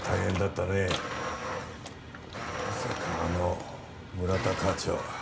まさかあの村田課長が。